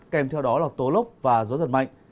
kèm theo đó là tố lốc và gió giật mạnh